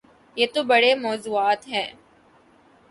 یہ تو بڑے موضوعات ہیں۔